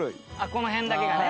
この辺だけがね。